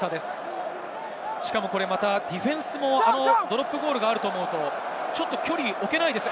しかもまたディフェンスもドロップゴールがあると思うと、ちょっと距離置けないですね。